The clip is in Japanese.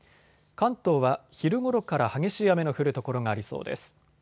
関東は昼ごろから激しい雨の降る所がありそうです。